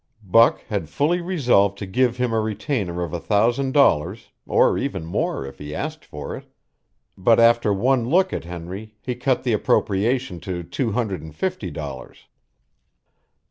Buck had fully resolved to give him a retainer of a thousand dollars, or even more, if he asked for it, but after one look at Henry he cut the appropriation to two hundred and fifty dollars.